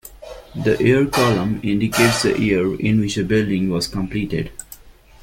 The "Year" column indicates the year in which a building was completed.